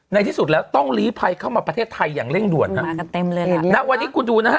ในที่สุดแล้วต้องลีภัยเข้ามาประเทศไทยอย่างเร่งด่วนฮะมากันเต็มเลยแหละณวันนี้คุณดูนะฮะ